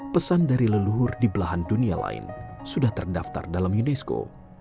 pesan dari leluhur di belahan dunia lain sudah terdaftar dalam unesco